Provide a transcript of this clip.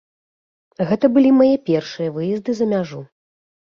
Гэта былі мае першыя выезды за мяжу.